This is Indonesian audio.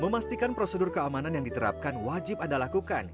memastikan prosedur keamanan yang diterapkan wajib anda lakukan